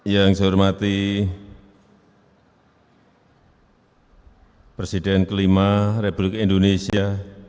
yang saya hormati presiden ke lima republik indonesia